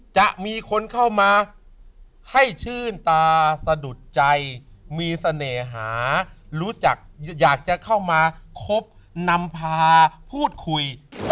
จะมีคนเข้ามาให้ชื่นตาสะดุดใจมีเสน่หารู้จักอยากจะเข้ามาคบนำพาพูดคุย